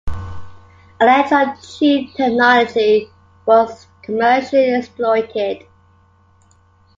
Electron tube technology was commercially exploited.